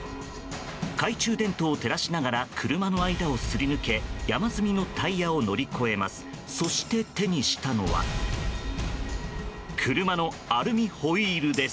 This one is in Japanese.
懐中電灯を照らしながら車の間をすり抜け山積みのタイヤを乗り越えます。